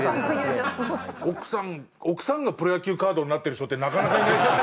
奥さん奥さんがプロ野球カードになってる人ってなかなかいないですからね。